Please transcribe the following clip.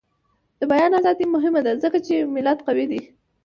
د بیان ازادي مهمه ده ځکه چې ملت قوي کوي.